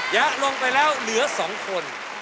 ลงไปแล้วเหลือ๒คน